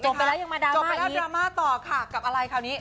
จมไปแล้วยังมาดราม่าอีกจมไปแล้วดราม่าต่อค่ะกับอะไรคราวนี้